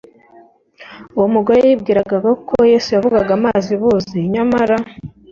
Uwo mugore yibwiraga ko Yesu yavugaga amazi buzi Nyamara